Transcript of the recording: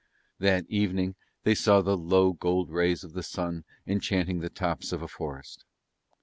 That evening they saw the low gold rays of the sun enchanting the tops of a forest.